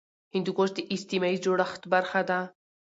هندوکش د اجتماعي جوړښت برخه ده.